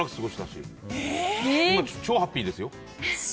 超ハッピーですよ。